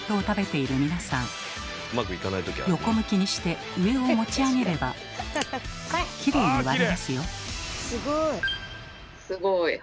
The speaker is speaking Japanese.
横向きにして上を持ち上げればきれいに割れますよ。